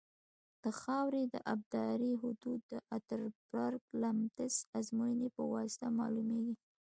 د خاورې د ابدارۍ حدود د اتربرګ لمتس ازموینې په واسطه معلومیږي